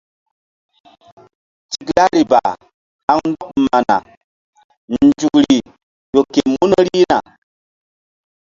Tiklari ba haŋ ndɔk mana nzukri ƴo ke mun rihna.